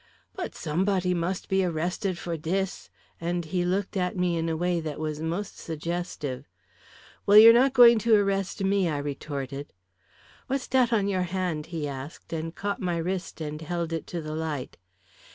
"But somebody must be arrested for t'is," and he looked at me in a way that was most suggestive. "Well, you're not going to arrest me," I retorted. "What's t'at on your hand?" he asked, and caught my wrist and held it to the light.